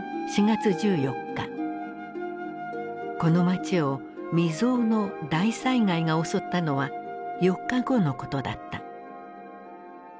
この街を未曽有の大災害が襲ったのは４日後のことだった。